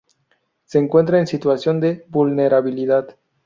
Se encuentra en situación de vulnerabilidad.